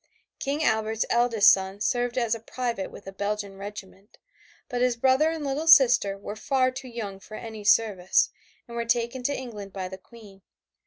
King Albert's eldest son served as a private with a Belgian regiment, but his brother and little sister were too young for any service and were taken to England by the Queen.